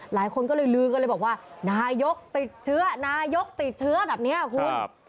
หลายคนก็เลยลือกันเลยบอกว่านายกติดเชื้อนายกติดเชื้อแบบนี้คุณ